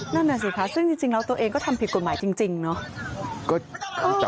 นั่นน่ะสิคะซึ่งจริงแล้วตัวเองก็ทำผิดกฎหมายจริงเนาะ